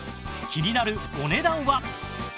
気になるお値段は？